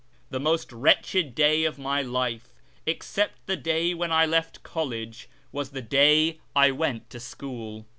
The most wretched day of my life, except the day when I left college, was the day I went to school.